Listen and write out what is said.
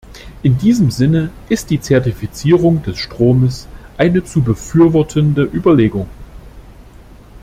In diesem Sinne ist die Zertifizierung des Stroms eine zu befürwortende Überlegung.